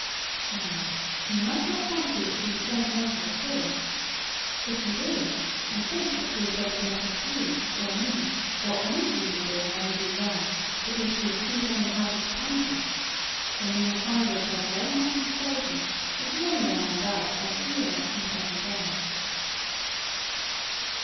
Now, you must not fancy that she was sentimental at all. If you do, and think that she is going to let off you, or me, or any human being when we do wrong, because she is too tender hearted to punish us, then you will find yourself very much mistaken, as many a man does every year and every day.